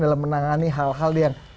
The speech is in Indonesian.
dalam menangani hal hal yang